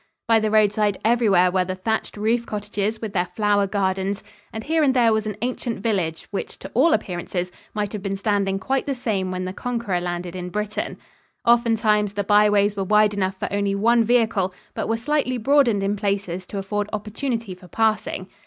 By the roadside everywhere were the thatched roof cottages with their flower gardens, and here and there was an ancient village which to all appearances might have been standing quite the same when the Conqueror landed in Britain. Oftentimes the byways were wide enough for only one vehicle, but were slightly broadened in places to afford opportunity for passing.